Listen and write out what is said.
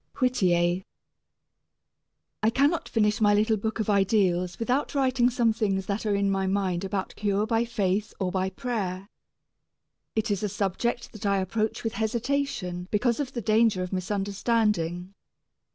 WHITTIER. I cannot finish my little book of ideals without writing some things that are in my mind about cure by faith or by prayer. It is a subject that I approach with hesitation because of the danger of misunderstanding.